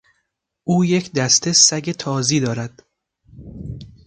او یک دسته سگ تازی دارد.